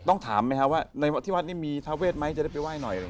ถามไหมครับว่าในที่วัดนี้มีทาเวทไหมจะได้ไปไห้หน่อย